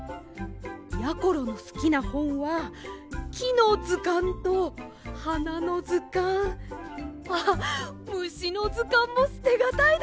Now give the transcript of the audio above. やころのすきなほんはきのずかんとはなのずかんあっむしのずかんもすてがたいですね。